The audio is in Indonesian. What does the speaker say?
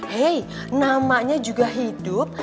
hey namanya juga hidup